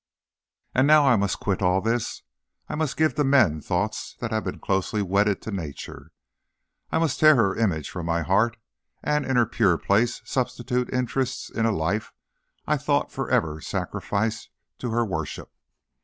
And now I must quit all this. I must give to men thoughts that have been closely wedded to Nature. I must tear her image from my heart, and in her pure place substitute interests in a life I thought forever sacrificed to her worship.